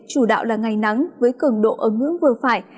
chủ đạo là ngày nắng với cường độ ấm ướng vừa phải